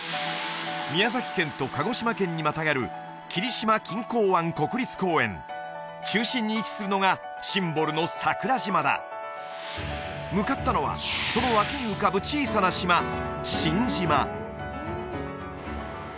宮崎県と鹿児島県にまたがる中心に位置するのがシンボルの桜島だ向かったのはその脇に浮かぶ小さな島新島